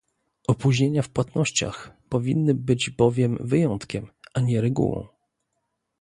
Opóźnienia w płatnościach powinny być bowiem wyjątkiem, a nie regułą